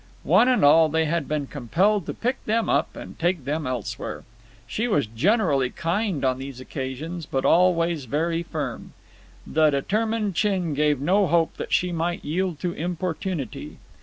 One and all, they had been compelled to pick them up and take them elsewhere. She was generally kind on these occasions, but always very firm. The determined chin gave no hope that she might yield to importunity.